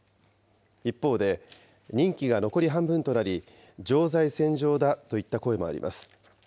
一方で、任期が残り半分となり、常在戦場だといった声もあります。